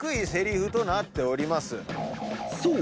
［そう！